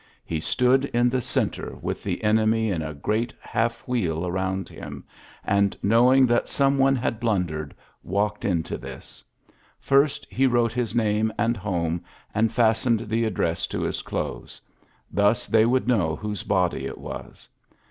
He stood in the centre with the eiwmy in a great half wheel around him, And, knowing that some one had blund^^ ^ ULYSSES S. GEAIIT 107 walked into this. First he wrote his name and home, and listened the ad dress to his clothes. Thus they would know whose body it was.